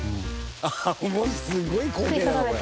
あっすごい光景だなこれ。